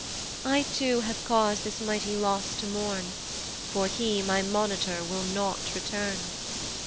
"I too have cause this mighty loss to mourn, "For he my monitor will not return.